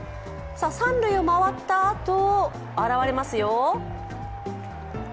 三塁を回ったあと、現れますよ。